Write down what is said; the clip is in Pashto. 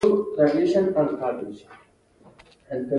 پوهان د حل لاره ولټوي.